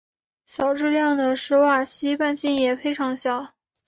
小质量的史瓦西半径也非常小。